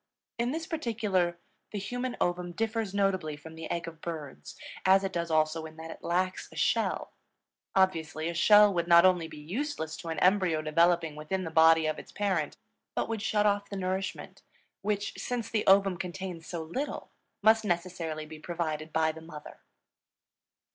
In this particular the human ovum differs notably from the egg of birds, as it does also in that it lacks a shell. Obviously, a shell would not only be useless to an embryo developing within the body of its parent, but would shut off the nourishment, which, since the ovum contains so little, must necessarily be provided by the mother.